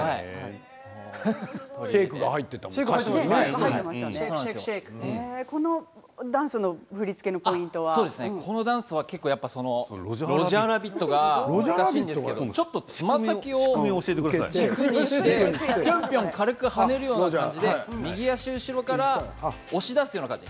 シェイクもこのダンスの振り付けのロジャーラビットが難しいんですけどちょっとつま先を軸にしてぴょんぴょん軽く跳ねるような感じで右足後ろから押し出すような感じ。